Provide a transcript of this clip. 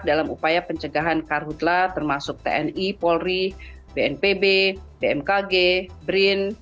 dalam upaya pencegahan karhutlah termasuk tni polri bnpb bmkg brin